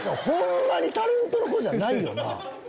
ホンマにタレントの子じゃないよな。